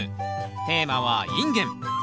テーマは「インゲン」。